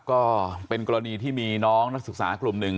ก็เป็นกรณีที่มีน้องนักศึกษากลุ่มหนึ่ง